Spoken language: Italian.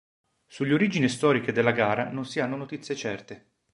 Sulle origini storiche della gara non si hanno notizie certe.